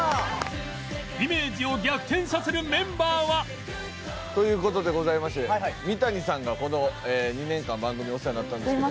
イメージを逆転させるメンバーは？という事でございまして三谷さんが２年間番組お世話になったんですけど。